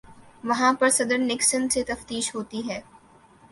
وہاں پہ صدر نکسن سے تفتیش ہوتی ہے۔